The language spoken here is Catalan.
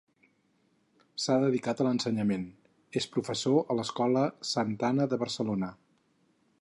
S'ha dedicat a l'ensenyament, és professor a l'Escola Santa Anna de Barcelona.